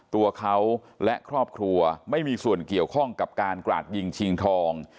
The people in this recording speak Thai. ตัวเขาและครอบครัวไม่มีส่วนเกี่ยวข้องกับการกราดยิงชิงทอง